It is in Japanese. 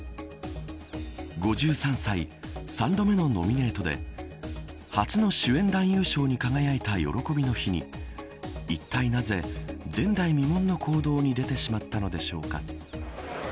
５３歳、３度目のノミネートで初の主演男優賞に輝いた喜びの日に一体なぜ前代未聞の行動に出てしまったのでしょうか。